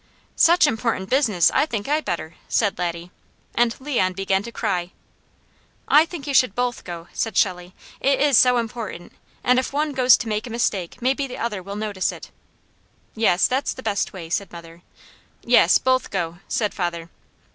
"Such important business, I think I better," said Laddie, and Leon began to cry. "I think you should both go," said Shelley. "It is so important, and if one goes to make a mistake, maybe the other will notice it." "Yes, that's the best way," said mother. "Yes, both go," said father.